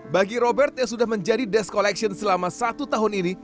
bagi robert yang sudah menjadi desk collection selama satu tahun ini